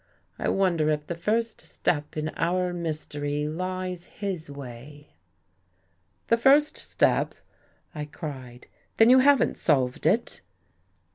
I wonder if the first step in our mystery lies his way." " The first step !" I cried. " Then you haven't solved it?